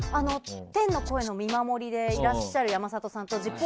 天の声の見守りでいらっしゃる山里さんと「ＺＩＰ！」